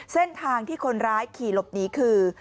เส้นทางที่คนร้ายขี่หลบหนีคือ